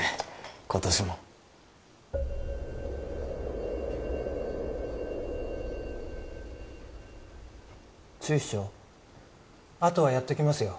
今年も厨司長あとはやっときますよ